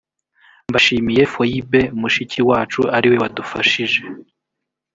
mbashimiye foyibe mushiki wacu ari we wadufashije